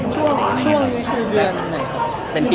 อเจมส์ออกไว้กับท่านเดิม